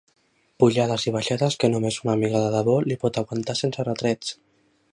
Pujades i baixades que només una amiga de debò li pot aguantar sense retrets.